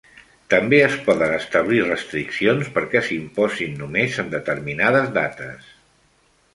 També es poden establir restriccions perquè s'imposin només en determinades dates.